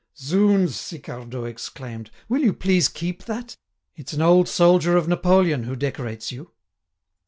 "Zounds!" Sicardot exclaimed, "will you please keep that! It's an old soldier of Napoleon who decorates you!"